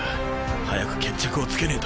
早く決着をつけねぇと。